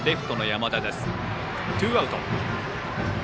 ツーアウト。